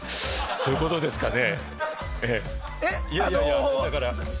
そういうことですね。